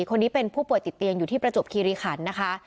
คนนี้เป็นผู้ป่วยติดเตียงอยู่ที่ประจวบคิริขันนะคะ